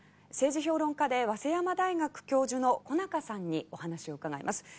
政治評論家で早背山大学教授の小中さんにお話を伺います。